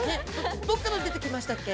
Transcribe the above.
どこから出てきましたっけ？